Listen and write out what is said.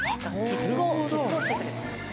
結合してくれます。